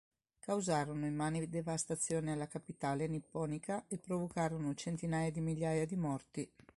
Causarono immani devastazioni alla capitale nipponica e provocarono centinaia di migliaia di morti.